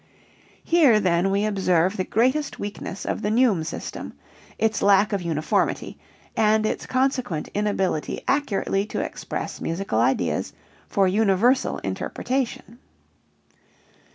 Here then we observe the greatest weakness of the neume system its lack of uniformity and its consequent inability accurately to express musical ideas for universal interpretation.